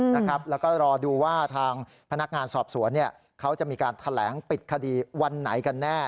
แล้วก็รอดูว่าทางพนักงานสอบสวนเขาจะมีการแถลงปิดคดีวันไหนกันแน่